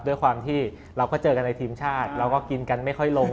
ด้วยความที่เราก็เจอกันในทีมชาติเราก็กินกันไม่ค่อยลง